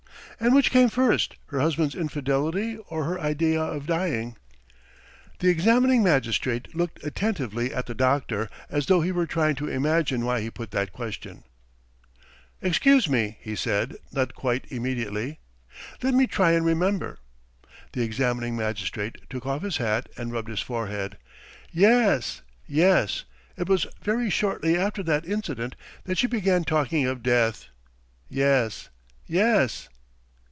"And which came first, her husband's infidelity or her idea of dying?" The examining magistrate looked attentively at the doctor as though he were trying to imagine why he put that question. "Excuse me," he said, not quite immediately. "Let me try and remember." The examining magistrate took off his hat and rubbed his forehead. "Yes, yes ... it was very shortly after that incident that she began talking of death. Yes, yes."